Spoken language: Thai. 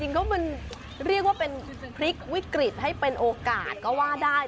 มันเรียกว่าเป็นพลิกวิกฤตให้เป็นโอกาสก็ว่าได้